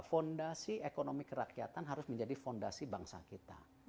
fondasi ekonomi kerakyatan harus menjadi fondasi bangsa kita